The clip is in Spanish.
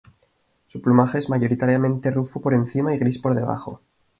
Su plumaje es mayoritariamente rufo por encima y gris por abajo.